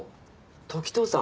時任さん